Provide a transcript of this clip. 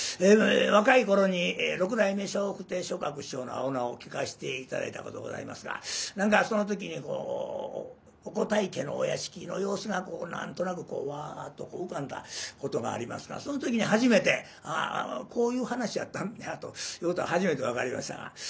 若い頃に六代目笑福亭松鶴師匠の「青菜」を聴かせて頂いたことございますが何かその時にご大家のお屋敷の様子が何となくワッと浮かんだことがありますがその時に初めてこういう噺やったんやということが初めて分かりました。